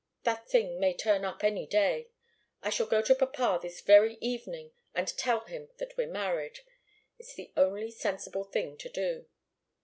That thing may turn up any day. I shall go to papa this very evening and tell him that we're married. It's the only sensible thing to do."